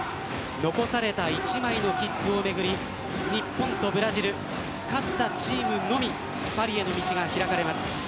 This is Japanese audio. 残された１枚の切符をめぐり日本とブラジル勝ったチームのみパリへの道が開かれます。